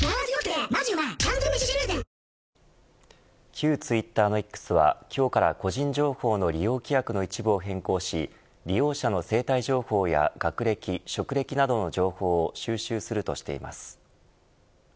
旧ツイッターのＸは、今日から個人情報の利用規約の一部を変更し利用者の生体情報や学歴、職歴などの情報を収集するとしています。